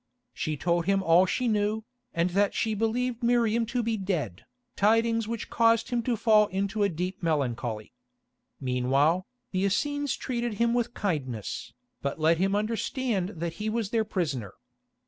She told him all she knew, and that she believed Miriam to be dead, tidings which caused him to fall into a deep melancholy. Meanwhile, the Essenes treated him with kindness, but let him understand that he was their prisoner.